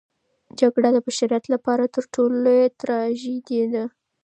جګړه د بشریت لپاره تر ټولو لویه تراژیدي ده.